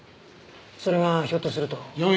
それがひょっとすると。